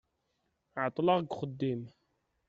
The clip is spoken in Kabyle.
Ɛeṭṭleɣ deg uxeddim.